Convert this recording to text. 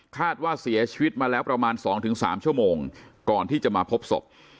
คาดว่าเสียชีวิตมาแล้วประมาณ๒๓ชั่วโมงก่อนที่จะมาพบศพ